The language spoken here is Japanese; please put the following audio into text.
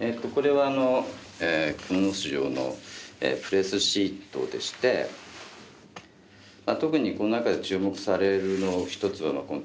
えとこれはあの「蜘蛛巣城」のプレスシートでして特にこの中で注目される一つはこの「ＴＩＭＥＭａｇａｚｉｎｅ」ですね。